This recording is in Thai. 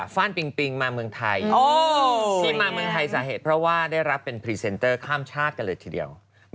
ฟ่านปิงปิงมาเมืองไทย